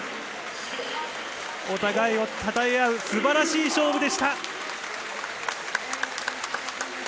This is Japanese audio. お互いをたたえ合う素晴らしい勝負でした。